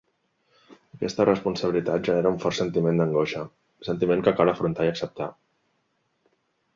Aquesta responsabilitat genera un fort sentiment d'angoixa, sentiment que cal afrontar i acceptar.